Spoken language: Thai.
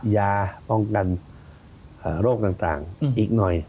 ยาป้องกันโรคต่างอีกหน่อย